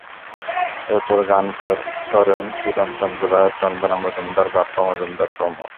এরপর গান করেন কিরণ চন্দ্র রায়, চন্দনা মজুমদার, বাপ্পা মজুমদার প্রমুখ।